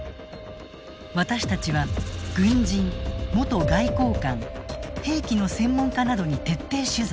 私たちは軍人元外交官兵器の専門家などに徹底取材。